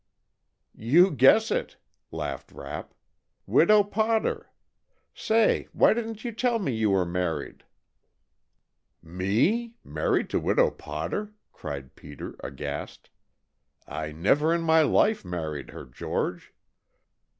"You guess it!" laughed Rapp. "Widow Potter. Say, why didn't you tell me you were married?" "Me? Married to Widow Potter?" cried Peter, aghast. "I never in my life married her, George!"